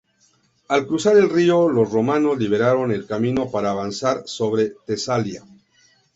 Al cruzar el río los romanos liberaron el camino para avanzar sobre Tesalia.